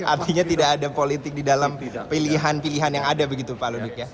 artinya tidak ada politik di dalam pilihan pilihan yang ada begitu pak ludik ya